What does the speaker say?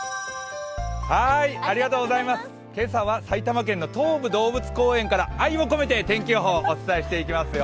ありがとうございます、今朝は埼玉県の東武動物公園駅から愛を込めて天気予報をお伝えしていきますよ。